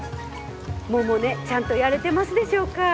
百音ちゃんとやれてますでしょうか？